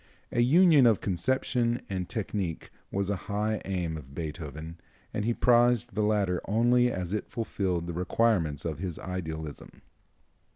A union of conception and technique was a high aim of Beethoven, and he prized the latter only as it fulfilled the requirements of his idealism.